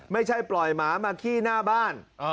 ไม่ใช่ปล่อยหมามาขี้หน้าบ้าน